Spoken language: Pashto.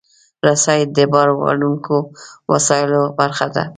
رسۍ د باروړونکو وسایلو برخه ده.